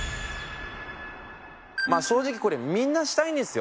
正直これみんなしたいんですよ